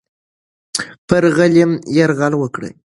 پر غلیم یرغل وکړه.